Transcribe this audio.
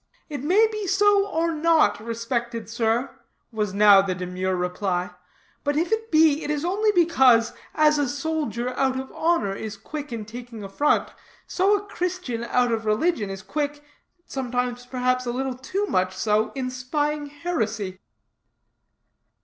"It may be so or not, respected sir," was now the demure reply; "but if it be, it is only because as a soldier out of honor is quick in taking affront, so a Christian out of religion is quick, sometimes perhaps a little too much so, in spying heresy."